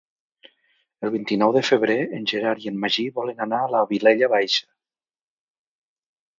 El vint-i-nou de febrer en Gerard i en Magí volen anar a la Vilella Baixa.